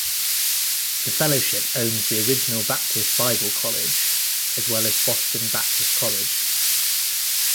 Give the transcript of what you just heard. The Fellowship owns the original Baptist Bible College, as well as Boston Baptist College.